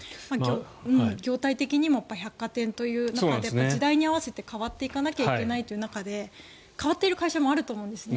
業態的にも百貨店という中で時代に合わせて変わっていかなければいけないという中で変わっている会社もあると思うんですね。